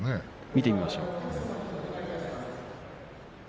見てみましょう。